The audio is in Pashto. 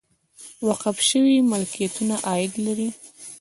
وقف شوي ملکیتونه عاید لري